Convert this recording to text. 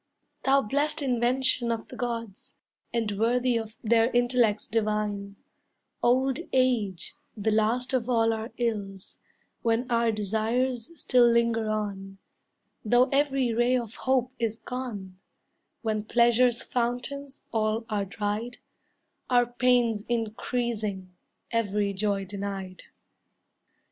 Thou blest invention of the Gods, And worthy of their intellects divine, Old age, the last of all our ills, When our desires still linger on, Though every ray of hope is gone; When pleasure's fountains all are dried, Our pains increasing, every joy denied!